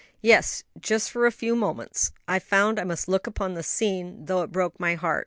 "Yes; just for a few moments. I found I must look upon the scene, though it broke my heart.